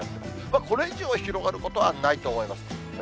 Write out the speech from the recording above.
これ以上に広がることはないと思います。